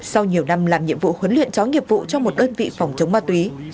sau nhiều năm làm nhiệm vụ huấn luyện chó nghiệp vụ cho một đơn vị phòng chống ma túy